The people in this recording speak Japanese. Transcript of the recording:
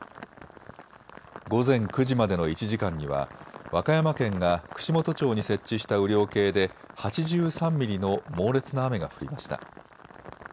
午前９時までの１時間には和歌山県が串本町に設置した雨量計で８３ミリの猛烈な雨が降りました。